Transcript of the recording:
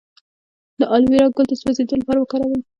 د الوویرا ګل د سوځیدو لپاره وکاروئ